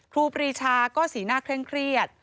ครูปรีชาก็สีหน้าเคร่งเครียด